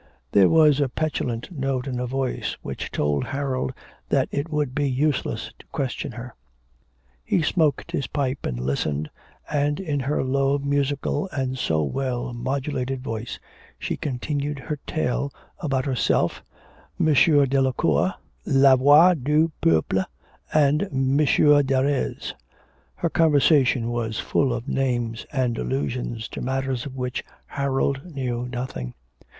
There was a petulant note in her voice which told Harold that it would be useless to question her. He smoked his pipe and listened, and, in her low musical and so well modulated voice, she continued her tale about herself, M. Delacour, La Voix du Peuple, and M. Darres. Her conversation was full of names and allusions to matters of which Harold knew nothing.